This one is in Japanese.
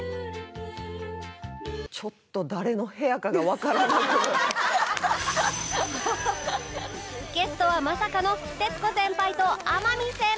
ちょっとゲストはまさかの徹子先輩と天海先輩